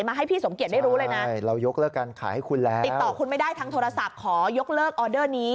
มาให้พี่สมเกียจได้รู้เลยนะติดต่อคุณไม่ได้ทางโทรศัพท์ขอยกเลิกออเดอร์นี้